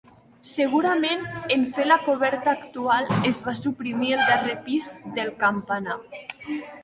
Segurament en fer la coberta actual es va suprimir el darrer pis del campanar.